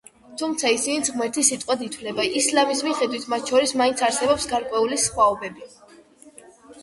თუმცა ისინიც ღმერთის სიტყვად ითვლება, ისლამის მიხედვით მათ შორის მაინც არსებობს გარკვეული სხვაობები.